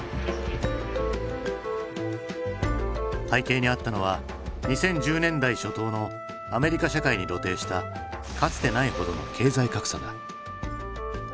背景にあったのは２０１０年代初頭のアメリカ社会に露呈したかつてないほどの経済格差だ。